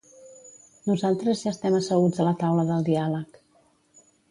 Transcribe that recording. Nosaltres ja estem asseguts a la taula del diàleg.